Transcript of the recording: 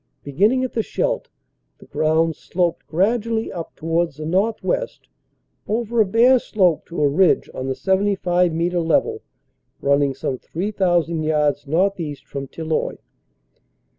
Beginning at the Scheldt the ground sloped gradually up towards the north west over a bare slope to a ridge on the 75 metre level running some 3,000 yards northeast from Tilloy.